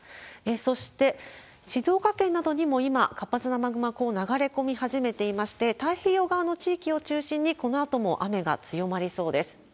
そして、静岡県などにも今、活発な雨雲が流れ込み始めていまして、太平洋側の地域を中心に、このあとも雨が強まりそうです。